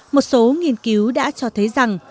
một số nghiên cứu đã cho thấy rằng